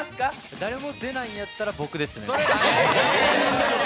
誰も出ないんやったら僕ですね。